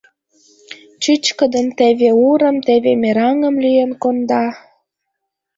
Чӱчкыдын теве урым, теве мераҥым лӱен конда.